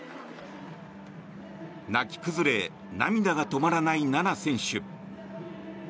泣き崩れ、涙が止まらない菜那選手。